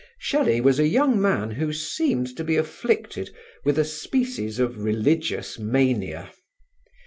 Shelley was a young man who seemed to be afflicted with a species of religious mania.